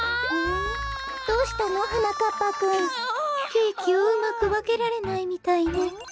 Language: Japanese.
ケーキをうまくわけられないみたいね。